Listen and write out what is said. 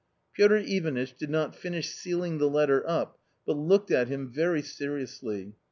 Piotr Ivanitch did not finish sealing the letter up but looked at him very seriously.